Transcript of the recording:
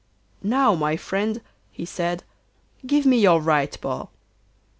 'Now, my friend,' he said, 'give me your right paw.